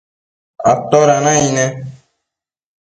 ¿atoda naic ne?